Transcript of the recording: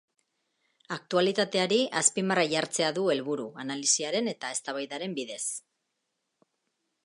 Aktualitateari azpimarra jartzea du helburu, analisiaren eta eztabaidaren bidez.